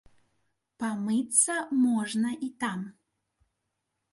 Памыцца можна і там.